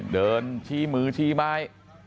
เดินชี้มือชี้ไม้